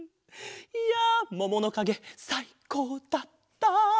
いやもものかげさいこうだった！